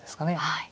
はい。